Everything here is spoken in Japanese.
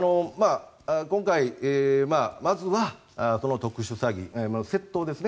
今回、まずは特殊詐欺、窃盗ですね